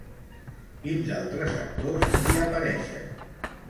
Quins altres actors hi apareixen?